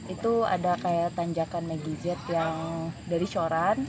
itu ada kayak tanjakan megizet yang dari soran